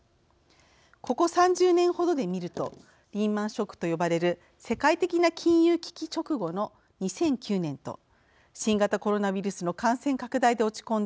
ここ３０年程で見るとリーマンショックと呼ばれる世界的な金融危機直後の２００９年と新型コロナウイルスの感染拡大で落ち込んだ